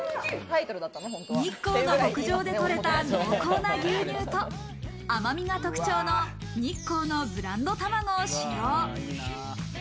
日光の牧場で取れた濃厚な牛乳と甘みが特徴の日光のブランド卵を使用。